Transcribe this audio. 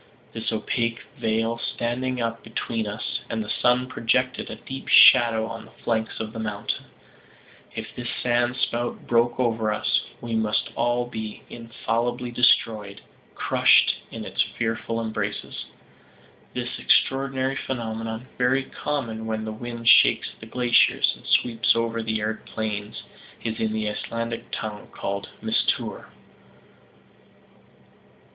This opaque veil standing up between us and the sun projected a deep shadow on the flanks of the mountain. If this sand spout broke over us, we must all be infallibly destroyed, crushed in its fearful embraces. This extraordinary phenomenon, very common when the wind shakes the glaciers, and sweeps over the arid plains, is in the Icelandic tongue called "mistour."